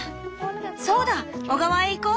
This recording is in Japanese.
そうだ小川へ行こう！